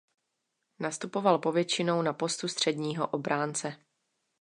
Nastupoval povětšinou na postu středního obránce.